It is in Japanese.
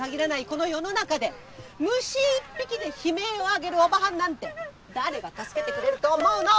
この世の中で虫一匹で悲鳴を上げるオバハンなんて誰が助けてくれると思うの！